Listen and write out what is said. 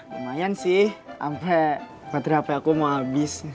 lumayan sih sampe baterai hp aku mau abis